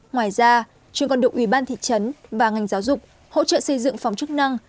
ngoài ra trường còn được ủy ban thị trấn và ngành giáo dục hỗ trợ xây dựng phòng chức năng